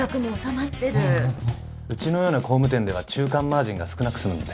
うちのような工務店では中間マージンが少なく済むので。